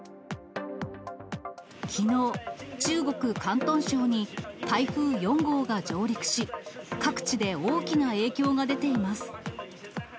きのう、中国・広東省に台風４号が上陸し、各地で大きな影響が出ています。